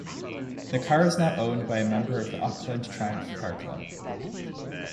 This car is now owned by a member of the Auckland Triumph Car Club.